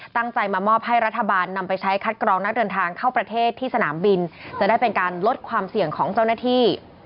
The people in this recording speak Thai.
ตั้งใจมามอบให้รัฐบาลนำไปใช้คัดกรองนักเดินทางเข้าประเทศที่สนามบินจะได้เป็นการลดความเสี่ยงของเจ้าหน้าที่